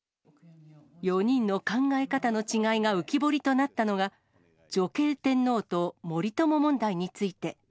４人の考え方の違いが浮き彫りとなったのが、女系天皇と森友問題について。